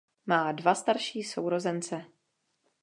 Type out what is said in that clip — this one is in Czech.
Má dva starší sourozence.